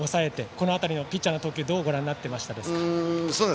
この辺りのピッチャーの投球どうご覧になっていましたか。